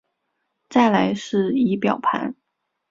再来是仪表板